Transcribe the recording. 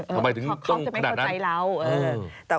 ทำไมถึงต้องขนาดนั้นเขาจะไม่เข้าใจเรา